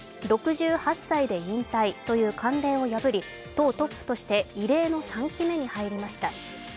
６８歳で引退という慣例を破り党トップとして異例の３期目に入りました。